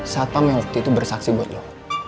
saat pam yang waktu itu bersaksi buat lo